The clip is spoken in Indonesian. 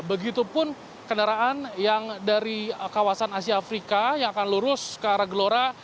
begitupun kendaraan yang dari kawasan asia afrika yang akan lurus ke arah gelora